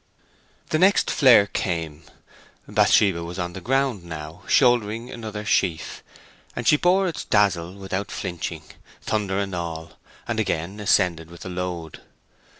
The next flare came. Bathsheba was on the ground now, shouldering another sheaf, and she bore its dazzle without flinching—thunder and all—and again ascended with the load.